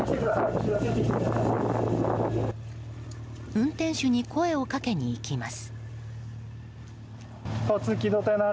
運転手に声をかけに行きます。